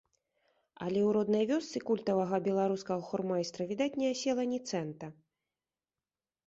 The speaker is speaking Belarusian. Але ў роднай вёсцы культавага беларускага хормайстра, відаць, не асела ні цэнта.